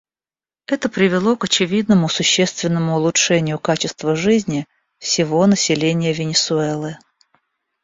Это привело к очевидному существенному улучшению качества жизни всего населения Венесуэлы.